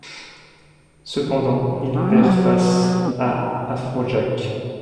Cependant, il perd face à Afrojack.